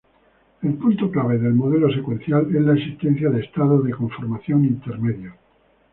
El punto clave del modelo secuencial es la existencia de estados de conformación intermedios.